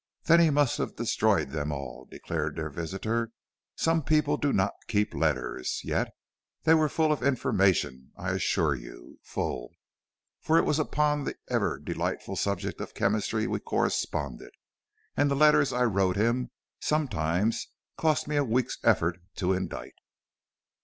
"Then he must have destroyed them all," declared their visitor. "Some people do not keep letters. Yet they were full of information, I assure you; full, for it was upon the ever delightful subject of chemistry we corresponded, and the letters I wrote him sometimes cost me a week's effort to indite."